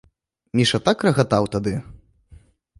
Міша так рагатаў тады!